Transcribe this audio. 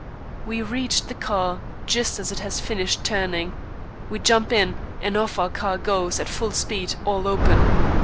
We reach the car just as it has finished turning; we jump in, and off our car goes at full speed, all open.